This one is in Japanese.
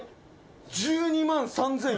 １２万３４００円。